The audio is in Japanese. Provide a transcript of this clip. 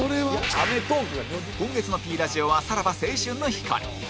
今月の Ｐ ラジオはさらば青春の光